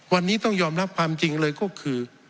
วันนี้ต้องยอมรับความจริงเลยก็คือ